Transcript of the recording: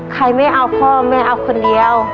ใครไม่เอาพ่อแม่เอาคนเดียว